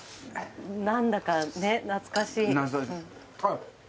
何だかね懐かしい。